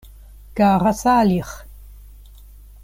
Kara Saliĥ.